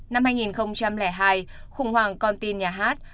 năm hai nghìn hai khủng hoảng con tin nhà hát